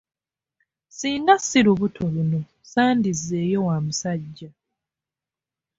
Singa si lubuto luno, sandizzeeyo wa musajja.